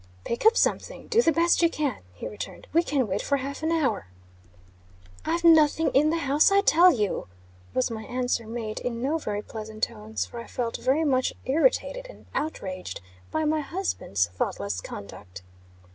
"Pick up something. Do the best you can," he returned. "We can wait for half an hour." "I've nothing in the house, I tell you," was my answer made in no very pleasant tones; for I felt very much irritated and outraged by my husband's thoughtless conduct.